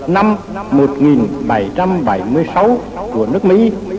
năm một nghìn bảy trăm bảy mươi sáu của nước mỹ